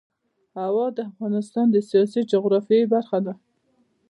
هوا د افغانستان د سیاسي جغرافیه برخه ده.